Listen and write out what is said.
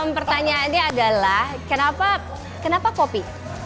pertanyaannya adalah kenapa kopi